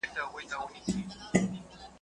طبیعت د انسانانو نه بدلیږي..